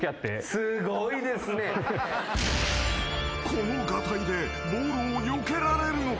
［このがたいでボールをよけられるのか？］